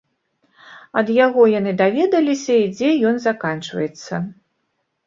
Ад яго яны даведаліся і дзе ён заканчваецца.